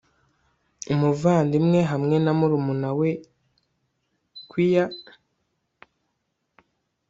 Umuvandimwe hamwe na murumuna wa queer